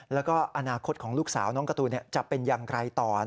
แล้วก็อนาคตของลูกสาวน้องการ์ตูนจะเป็นอย่างไรต่อ